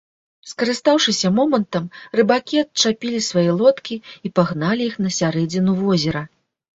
Скарыстаўшыся момантам, рыбакі адчапілі свае лодкі і пагналі іх на сярэдзіну возера.